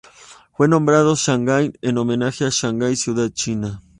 Fue nombrado Shanghai en homenaje a Shanghái ciudad China.